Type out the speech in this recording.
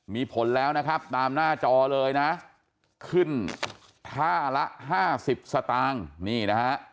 มีผลแล้วนะครับตามหน้าจอเลยนะขึ้นท่าละห้าสิบสตางค์นี่นะฮะ